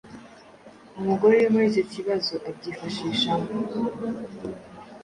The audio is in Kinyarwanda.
umugore uri muri icyo kibazo abyifashishamo